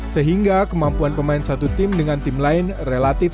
sehingga kemampuan pemain satu tim dengan tim lain relatif